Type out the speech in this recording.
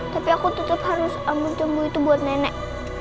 tapi aku tetap harus ambil jemput itu buat nenek